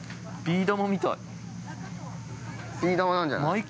◆ビー玉なんじゃない？